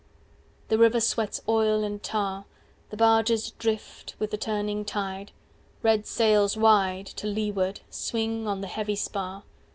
265 The river sweats Oil and tar The barges drift With the turning tide Red sails 270 Wide To leeward, swing on the heavy spar.